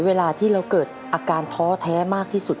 เวลาที่เราเกิดอาการท้อแท้มากที่สุด